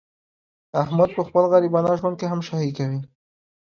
احمد په خپل غریبانه ژوند کې هم شاهي کوي.